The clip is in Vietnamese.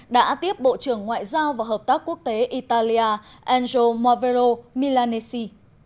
đã tiếp bộ trưởng ngoại giao và hợp tác quốc tế italia angelo mavello milanesi